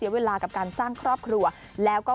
เวลากับการสร้างครอบครัวแล้วก็